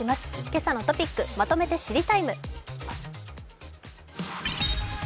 「けさのトピックまとめて知りＴＩＭＥ，」